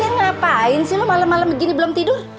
ya dia ngapain sih lu malem malem begini belum tidur